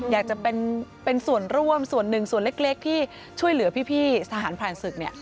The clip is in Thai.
อยากจะเป็นส่วนร่วมส่วนหนึ่งส่วนเล็กที่ช่วยเหลือพี่ทหารพรานศึกเนี่ย